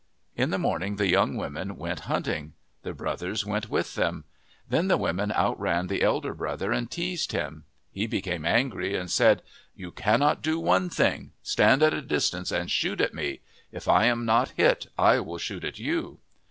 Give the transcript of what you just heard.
In the morning the young women went hunting. The brothers went with them. Then the women outran the elder brother and teased him. He be came angry and said :" You cannot do one thing. Stand at a distance and shoot at me. If I am not hit, I will shoot at you."